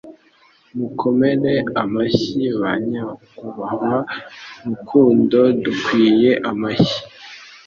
Mukomere amashyi, banyakubahwa, Rukundo dukwiye amashyi